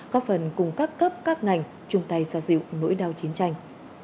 có phần cùng các cấp các ngành chung tay xoa dịu nỗi đau chiến tranh